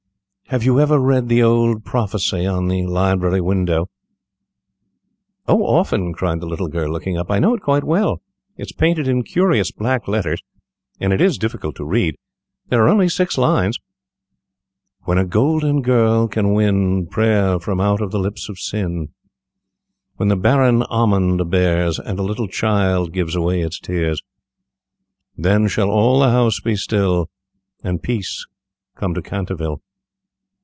"Have you ever read the old prophecy on the library window?" "Oh, often," cried the little girl, looking up; "I know it quite well. It is painted in curious black letters, and is difficult to read. There are only six lines: "'When a golden girl can win Prayer from out the lips of sin, When the barren almond bears, And a little child gives away its tears, Then shall all the house be still And peace come to Canterville.'